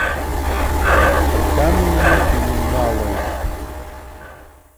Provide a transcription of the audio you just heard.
Рган ҩны иныҩналоит.